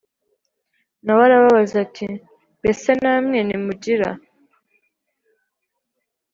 Na we arababaza ati Mbese namwe ntimugira